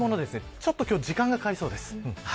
ちょっと時間がかかりそうです。